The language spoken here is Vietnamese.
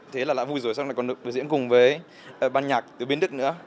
thế là vui rồi sau đó còn được biểu diễn cùng với bản nhạc từ biến đức nữa